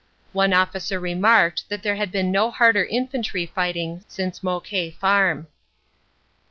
One officer remarked that there had been no harder infantry fighting since Mouquet Farm.